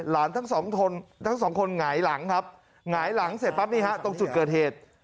ทั้งสองคนหงายหลังครับหงายหลังเสร็จปั๊บนี่ฮะตรงจุดเกิดเหตุ